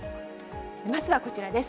まずはこちらです。